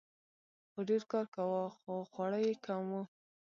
خر ډیر کار کاوه خو خواړه یې کم وو.